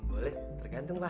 boleh tergantung pak